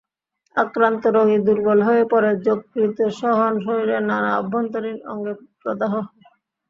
আক্রান্ত রোগী দুর্বল হয়ে পড়ে, যকৃতসহ শরীরের নানা অভ্যন্তরীণ অঙ্গে প্রদাহ হয়।